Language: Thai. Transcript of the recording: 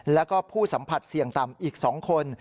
แล้วก็ผู้สัมผัสเสี่ยงต่ำอีก๒คน